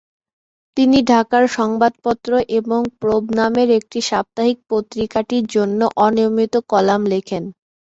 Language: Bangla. তিনি ঢাকার সংবাদপত্র এবং প্রোব নামের একটি সাপ্তাহিক পত্রিকাটির জন্য অনিয়মিত কলাম লেখেন।